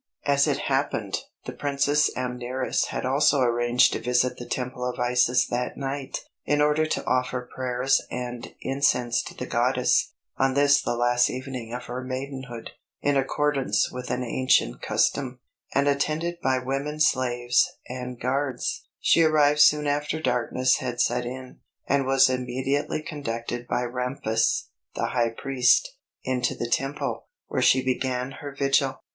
As it happened, the Princess Amneris had also arranged to visit the Temple of Isis that night, in order to offer prayers and incense to the goddess on this the last evening of her maidenhood, in accordance with an ancient custom; and attended by women slaves and guards, she arrived soon after darkness had set in, and was immediately conducted by Ramphis, the High Priest, into the Temple, where she began her vigil.